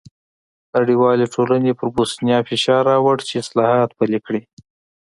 نړیوالې ټولنې پر بوسیا فشار راووړ چې اصلاحات پلي کړي.